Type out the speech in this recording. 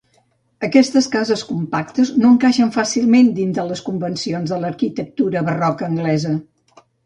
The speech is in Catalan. Aquestes cases compactes no encaixen fàcilment dins de les convencions de l'arquitectura barroca anglesa.